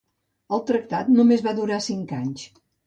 El tractat només va durar cinc anys.